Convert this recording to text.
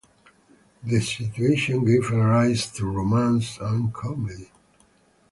This situation gave arise to romance and comedy.